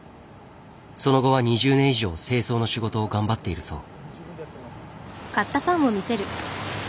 その後は２０年以上清掃の仕事を頑張っているそう。